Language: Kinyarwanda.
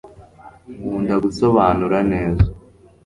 nkunda gusobanura neza